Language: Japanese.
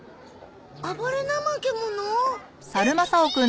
暴れナマケモノ？